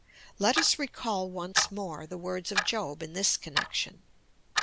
Let us recall onee more the words of Job in this connection.